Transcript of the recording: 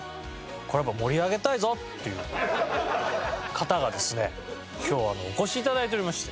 これやっぱ盛り上げたいぞっていう方がですね今日はお越し頂いておりまして。